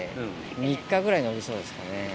３日ぐらい延びそうですね。